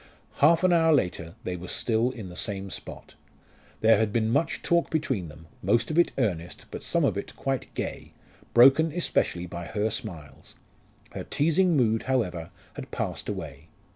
Half an hour later they were still in the same spot. There had been much talk between them, most of it earnest, but some of it quite gay, broken especially by her smiles. Her teasing mood, however, had passed away.